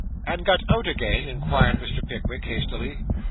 'And got out again?' inquired Mr. Pickwick hastily.